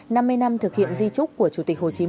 năm mươi năm thực hiện di trúc của chủ tịch hồ chí minh